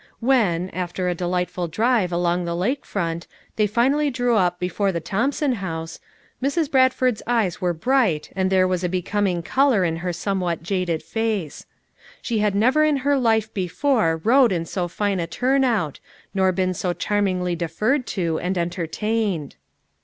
When, after a delightful drive along the lake front, they finally drew up FOUR MOTHERS AT CHAUTAUQUA 379 before the Thompson House, Mrs. Bradford's eyes were bright and there was a becoming color on her somewhat jaded face. She had never in her life before rode in so fine n turn out nor been so charmingly deferred (o and en tertained.